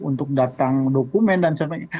untuk datang dokumen dan sebagainya